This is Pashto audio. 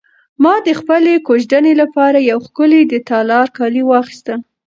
ما د خپلې کوژدنې لپاره یو ښکلی د تالار کالي واخیستل.